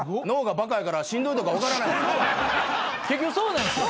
脳がバカやからしんどいとか分からない。